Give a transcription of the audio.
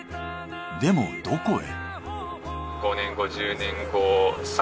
でもどこへ？